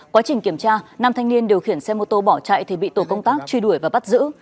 quá trình kiểm tra nam thanh niên điều khiển xe mô tô bỏ chạy thì bị tổ công tác truy đuổi và bắt giữ